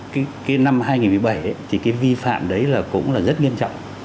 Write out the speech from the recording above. cái năm hai nghìn một mươi bảy thì cái vi phạm đấy là cũng là rất nghiêm trọng